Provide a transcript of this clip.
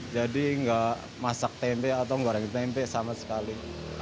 jadi nggak masak tempe atau goreng tempe sama sekali